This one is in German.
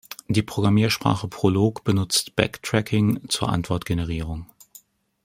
Die Programmiersprache Prolog benutzt Backtracking zur Antwort-Generierung.